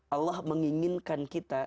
allah menginginkan kita